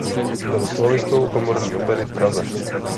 Byl sólistou Komorní opery v Praze.